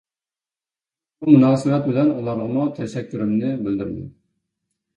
مۇشۇ مۇناسىۋەت بىلەن ئۇلارغىمۇ تەشەككۈرۈمنى بىلدۈرىمەن.